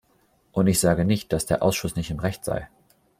Und ich sage nicht, dass der Ausschuss nicht im Recht sei.